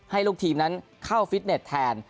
ให้ลูกทีมนั้นเข้าฟิตเน็ตแทน